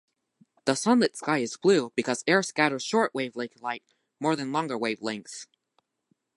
The sunlit sky is blue because air scatters short-wavelength light more than longer wavelengths.